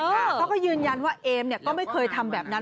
เขาก็ยืนยันว่าเอมก็ไม่เคยทำแบบนั้น